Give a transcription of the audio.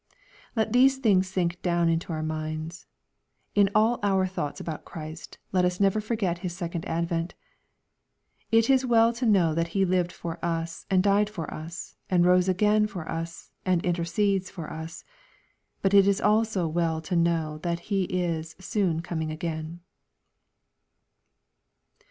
Let these things sink down into our minds. In all our thoughts about Christ, let us never forget His second advent. It is well to know that He lived for us, and died for us, and rose again for us, and intercedes for us. But it is also well to know that He is soon coming again.